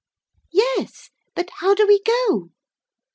'Yes. But how do we go?'